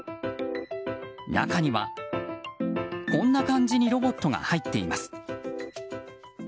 中には、こんな感じにロボットが入っています。